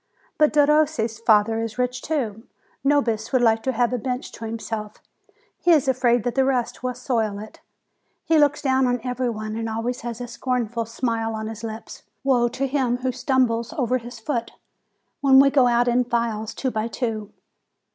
But Derossi's father is rich too. Nobis would like to have a bench to himself; he is afraid that the rest will soil it; he looks down on everybody and always has a scornful smile on his lips : woe to him who stumbles over his foot, when we go out in files two by two